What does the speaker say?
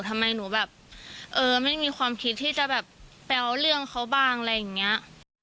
ทำไมหนูแบบเออไม่มีความคิดที่จะแบบแปลวเรื่องเขาบ้างอะไรอย่างนี้